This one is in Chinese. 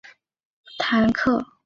但随即因私开官仓被青州府弹劾。